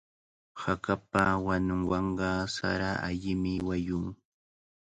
Hakapa wanunwanqa sara allimi wayun.